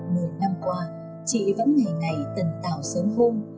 một năm qua chị vẫn ngày ngày tần tạo sớm hôn